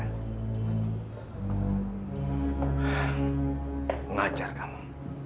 aku mengajar kamu